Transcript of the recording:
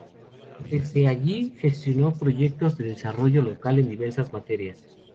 Desde allí gestionó proyectos de desarrollo local en diversas materias.